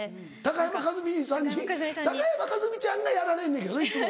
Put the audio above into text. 高山一実ちゃんがやられんねんけどねいっつも。